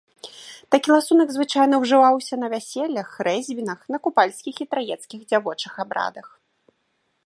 Такі ласунак звычайна ўжываўся на вяселлях, хрэсьбінах, на купальскіх і траецкіх дзявочых абрадах.